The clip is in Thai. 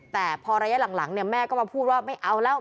แต่พอระยะหลังแม่ก็มาพูดว่าไม่เอาแล้ว